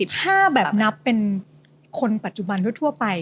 ถ้าแบบนับเป็นคนปัจจุบันทั่วไป